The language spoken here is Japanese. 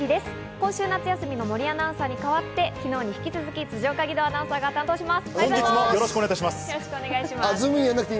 今週、夏休みの森アナウンサーに代わって、昨日に引き続き、辻岡義堂アナウンサーが担当します。